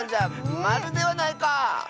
マルではないか！